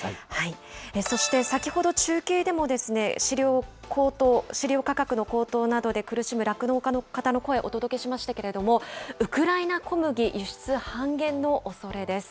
そして、先ほど中継でも飼料価格の高騰などで苦しむ酪農家の方の声、お届けしましたけれども、ウクライナ小麦、輸出半減のおそれです。